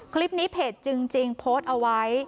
คลิปนี้เพจจริงโพสต์เอาไว้